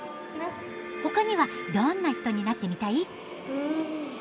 ほかにはどんな人になってみたい？